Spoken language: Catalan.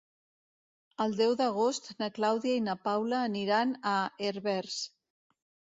El deu d'agost na Clàudia i na Paula aniran a Herbers.